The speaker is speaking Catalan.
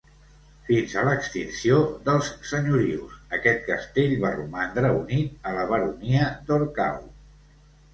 Fins a l'extinció dels senyorius, aquest castell va romandre unit a la baronia d'Orcau.